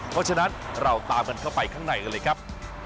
เพราะฉะนั้นเราตามกันเข้าไปข้างในกันเลยครับ